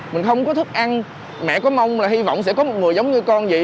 mình không có thức ăn mẹ có mong là hy vọng sẽ có một người giống như con vậy